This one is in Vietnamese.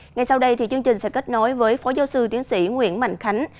ngay sau đây thì chương trình sẽ kết nối với phó giáo sư tiến sĩ nguyễn mạnh khánh